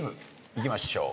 いきましょう。